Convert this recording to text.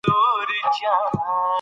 موږ باید له وخت نه ښه ګټه واخلو